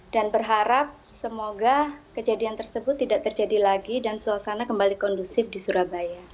dan berharap semoga kejadian tersebut tidak terjadi lagi dan suasana kembali kondusif di surabaya